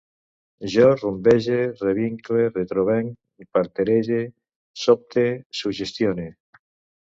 Jo rumbege, revincle, retrovenc, parterege, sobte, suggestione